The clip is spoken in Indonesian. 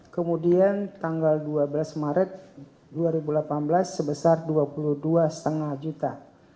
kemudian tanggal dua belas maret dua ribu delapan belas sebesar rp tujuh lima juta